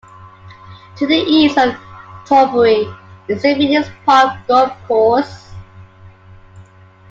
To the east of Thornbury is the Phoenix Park Golf Course.